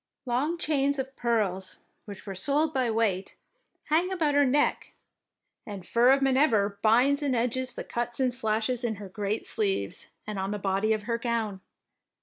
Long chains of pearls, which were sold by weight, hang about her neck, and fur of minever binds and edges the cuts and slashes in her 66 THE PKINCESS WINS great sleeves and on the body of her gown.